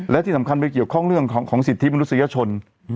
และที่สำคัญไปเกี่ยวข้องเรื่องของสิทธิมนุษยชน